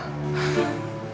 gak usah paham